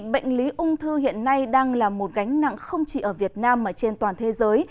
bệnh lý ung thư hiện nay đang là một gánh nặng không chỉ ở việt nam mà trên toàn thế giới